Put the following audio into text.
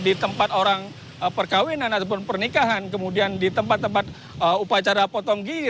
di tempat orang perkawinan ataupun pernikahan kemudian di tempat tempat upacara potong gigi